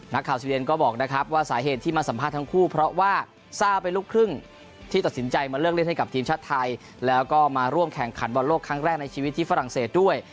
ซีเย็นก็บอกนะครับว่าสาเหตุที่มาสัมภาษณ์ทั้งคู่เพราะว่าซ่าเป็นลูกครึ่งที่ตัดสินใจมาเลือกเล่นให้กับทีมชาติไทยแล้วก็มาร่วมแข่งขันบอลโลกครั้งแรกในชีวิตที่ฝรั่งเศสด้วย